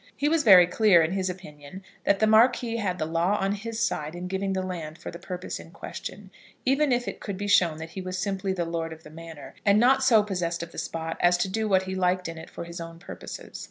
He was very clear in his opinion that the Marquis had the law on his side in giving the land for the purpose in question, even if it could be shown that he was simply the lord of the manor, and not so possessed of the spot as to do what he liked in it for his own purposes.